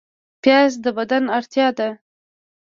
پیاز د بدن اړتیا ده